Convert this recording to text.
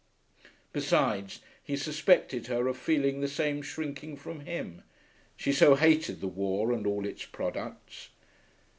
Besides, he suspected her of feeling the same shrinking from him: she so hated the war and all its products.